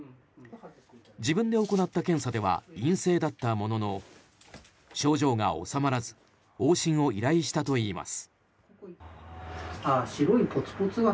自分で行った検査では陰性だったものの症状が治まらず往診を依頼したといいます。